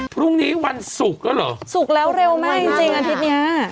พรุ่งนี้วันศุกร์แล้วเหรอศุกร์แล้วเร็วมากจริงจริงอาทิตย์เนี้ย